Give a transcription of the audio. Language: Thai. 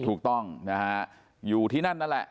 ถูกต้องนะฮะอยู่ที่นั่นนั่นแหละ